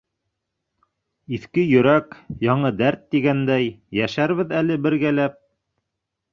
Иҫке йөрәк - яңы дәрт, тигәндәй, йәшәрбеҙ әле бергәләп.